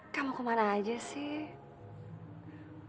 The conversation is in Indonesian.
kamu kemana aja sih